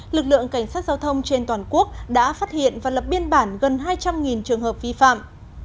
lực lượng cảnh sát giao thông trên toàn quốc đã phát hiện và lập biên bản gần hai trăm linh trường hợp vi phạm